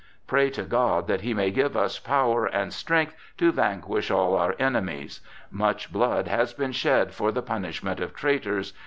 Pray to God that he may give us power and strength to vanquish all our enemies! Much blood has been shed for the punishment of traitors.